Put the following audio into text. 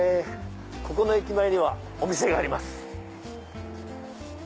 ここの駅前にはお店があります。